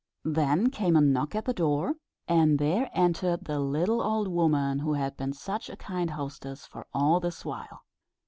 Then came a knock at the door, and there entered the little old woman, who had been such a kind hostess for all this while.